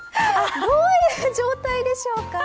どういう状態でしょうか。